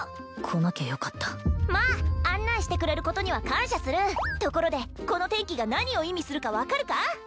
来なきゃよかったまあ案内してくれることには感謝するところでこの天気が何を意味するか分かるか？